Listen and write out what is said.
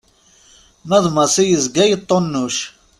Ma d Massi yezga yeṭṭunuc.